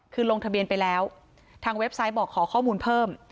คือลงทะเบียนไปแล้วทางเว็บไซต์บอกขอข้อมูลเพิ่ม